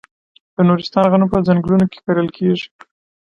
د نورستان غنم په ځنګلونو کې کرل کیږي.